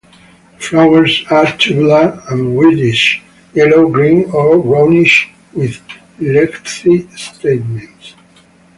The flowers are tubular and whitish, yellow, green, or brownish, with lengthy stamens.